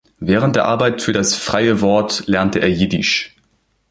Während der Arbeit für das "Freie Wort" lernte er Jiddisch.